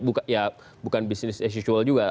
bukan ya bukan business as usual juga